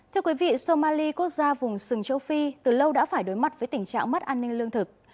thưa quý vị somali quốc gia vùng sừng châu phi từ lâu đã phải đối mặt với tình trạng mất an ninh lương thực